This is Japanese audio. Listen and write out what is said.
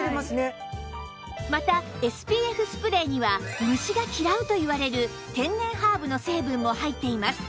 また ＳＰＦ スプレーには虫が嫌うといわれる天然ハーブの成分も入っています